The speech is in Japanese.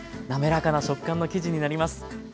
なめらかな食感の生地になります。